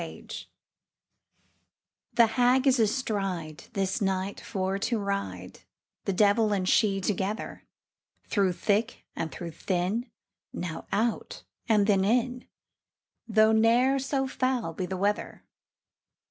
THE HAG The Hag is astride, This night for to ride, The devil and she together; Through thick and through thin, Now out, and then in, Though ne'er so foul be the weather.